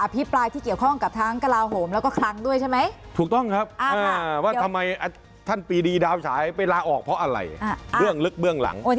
เพราะอะไรเบื้องลึกเบื้องหลัง